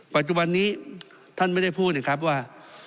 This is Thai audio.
ปัจจุบันนี้ท่านไม่ได้พูดนะครับว่า